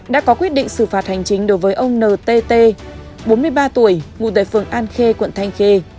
đã có quyết định xử phạt hành chính đối với ông ntt bốn mươi ba tuổi ngụ tại phường an khê quận thanh khê